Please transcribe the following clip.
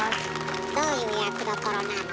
どういう役どころなの？